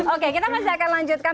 oke kita masih akan lanjutkan